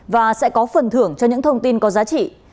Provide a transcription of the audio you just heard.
và sẽ có phần thưởng cho những thông tin có giá trị